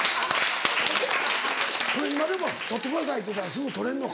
今でも撮ってくださいって言うたらすぐ撮れんのか？